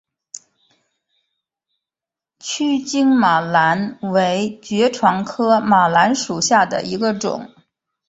曲茎马蓝为爵床科马蓝属下的一个种。